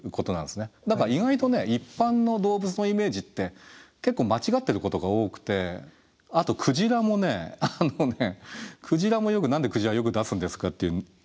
だから意外と一般の動物のイメージって結構間違ってることが多くてあとクジラもねあのねクジラもよく何でクジラよく出すんですかって言われるんだけどクジラもほら。